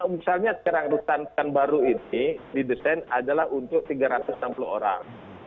misalnya sekarang rutan rutan baru ini didesain adalah untuk tiga ratus enam puluh orang